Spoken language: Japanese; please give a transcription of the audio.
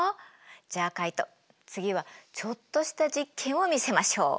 じゃあカイト次はちょっとした実験を見せましょう。